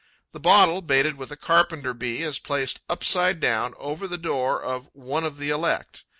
The bottle, baited with a Carpenter bee, is placed upside down over the door of one of the elect.